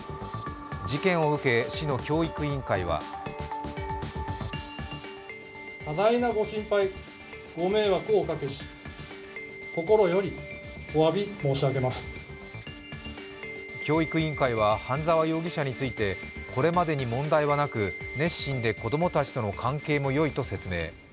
事件を受け、市の教育委員会は教育委員会は半沢容疑者についてこれまでに問題はなく、熱心で子供たちの関係もよいと説明。